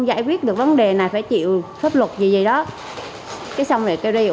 giải quyết được vấn đề này phải chịu pháp luật gì gì đó cái xong rồi kêu đi